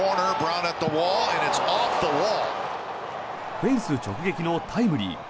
フェンス直撃のタイムリー。